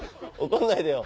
怒んないでよ。